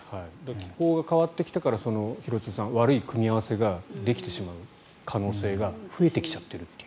気候が変わってきたから廣津留さん悪い組み合わせができてしまう可能性が増えてきちゃっているという。